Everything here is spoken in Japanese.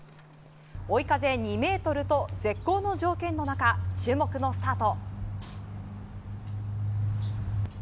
追い風２メートルと絶好の条件の中、注目のスタート。